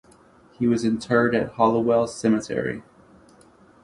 He was interred in Hallowell Cemetery.